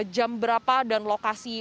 jam berapa dan lokasi